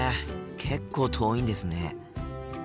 結構遠いんですね。